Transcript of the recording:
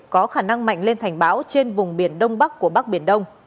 có khả năng mạnh lên thành bão trên vùng biển đông bắc của bắc biển đông